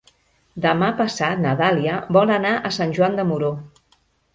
Demà passat na Dàlia vol anar a Sant Joan de Moró.